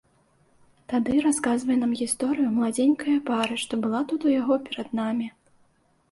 Тады расказвае нам гісторыю маладзенькае пары, што была тут у яго перад намі.